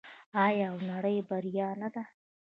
آیا او د نړۍ بریا نه ده؟